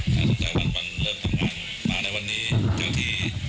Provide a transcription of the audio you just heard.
สุดท้ายวันวันเริ่มทำงานมาในวันนี้อย่างที่